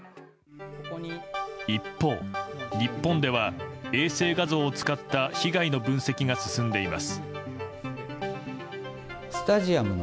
一方、日本では衛星画像を使った被害の分析が進んでいます。